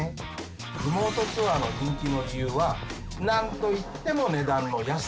リモートツアーの人気の理由は何と言っても値段の安さ。